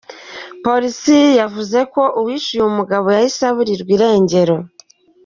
Polisi yavuze ko uwishe uyu mugabo yahise aburirwa irengero.